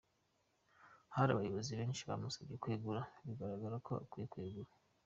"Hari abayobozi benshi bamusabye kwegura - biragaragara ko akwiye kwegura.